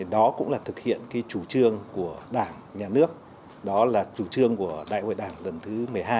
đó cũng là thực hiện chủ trương của đảng nhà nước đó là chủ trương của đại hội đảng lần thứ một mươi hai